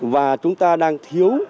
và chúng ta đang thiếu